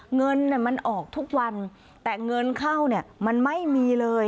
เงินมันออกทุกวันแต่เงินเข้าเนี่ยมันไม่มีเลย